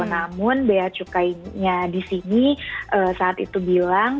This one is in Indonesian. namun beya cukainya disini saat itu bilang